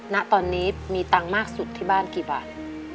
ณตอนนี้มีตังค์มากสุดที่บ้านกี่บาท